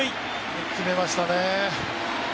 よく決めましたね。